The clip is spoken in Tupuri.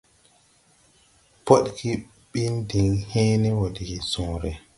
Podge bin din hęęne wɔɔ de sõõre.